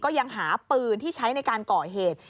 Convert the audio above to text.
ยังหาปืนที่ใช้ในการก่อเหตุ